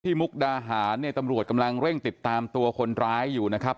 มุกดาหารเนี่ยตำรวจกำลังเร่งติดตามตัวคนร้ายอยู่นะครับ